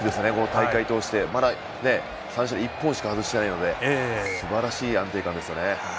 大会通してまだ１本しか外してないのですばらしい安定感ですね。